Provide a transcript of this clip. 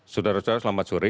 saudara saudara selamat sore